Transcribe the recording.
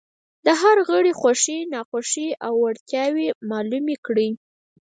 د هر غړي خوښې، ناخوښې او وړتیاوې معلومې کړئ.